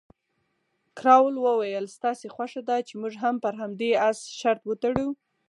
کراول وویل، ستاسې خوښه ده چې موږ هم پر همدې اس شرط وتړو؟